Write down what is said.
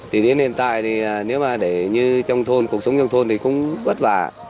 thì đến hiện tại thì nếu mà để như trong thôn cuộc sống trong thôn thì cũng vất vả